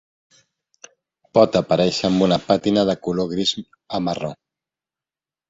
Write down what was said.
Pot aparèixer amb una pàtina de color gris a marró.